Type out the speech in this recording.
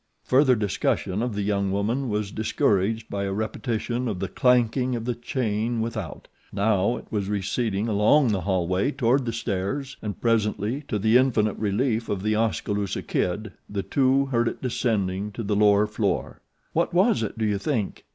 Further discussion of the young woman was discouraged by a repetition of the clanking of the chain without. Now it was receding along the hallway toward the stairs and presently, to the infinite relief of The Oskaloosa Kid, the two heard it descending to the lower floor. "What was it, do you think?"